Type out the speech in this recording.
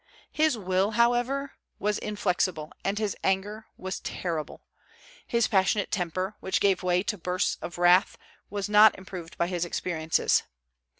His will, however, was inflexible, and his anger was terrible. His passionate temper, which gave way to bursts of wrath, was not improved by his experiences.